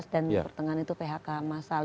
dan pertengahan itu phk masal